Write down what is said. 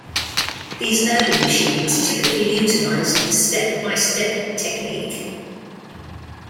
These early machines typically utilized the step-by-step technique.